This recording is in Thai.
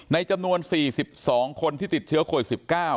จำนวน๔๒คนที่ติดเชื้อโควิด๑๙